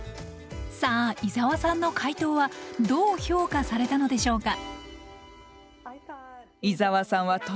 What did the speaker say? さあ伊沢さんの解答はどう評価されたのでしょうか？